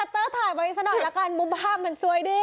กดทัตเตอร์ถ่ายไปนิดสักหน่อยแล้วกันมุมภาพมันสวยดี